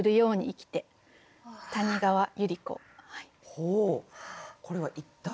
ほうこれは一体？